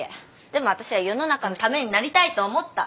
でも私は世の中のためになりたいと思った。